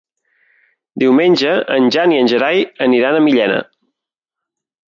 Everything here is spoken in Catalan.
Diumenge en Jan i en Gerai aniran a Millena.